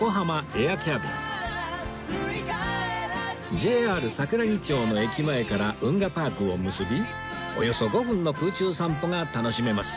ＪＲ 桜木町の駅前から運河パークを結びおよそ５分の空中散歩が楽しめます